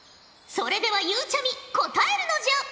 それではゆうちゃみ答えるのじゃ！